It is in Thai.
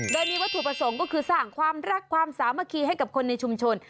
แบบนี้ว่าถูปสองก็คือสร้างความรักความสามัคคีให้กับคนในชุมชน